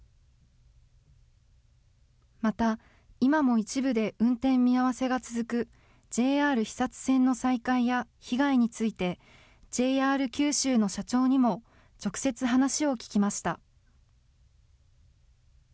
また、今も一部で運転見合わせが続くＪＲ肥薩線の再開や被害について、ＪＲ九州の社長にも直接話を聞きました。